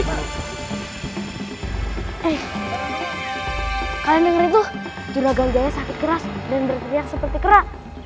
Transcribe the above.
eh kalian dengerin tuh juragan jai nya sakit keras dan berteriak seperti kera